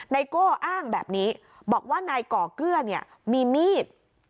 โก้อ้างแบบนี้บอกว่านายก่อเกื้อเนี่ยมีมีด